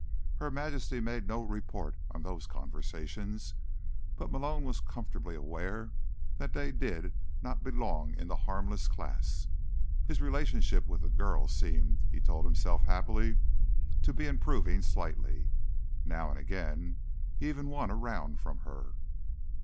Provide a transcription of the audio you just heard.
Her Majesty made no report on those conversations, but Malone was comfortably aware that they did not belong in the harmless class. His relationship with the girl seemed, he told himself happily, to be improving slightly. Now and again, he even won a round from her.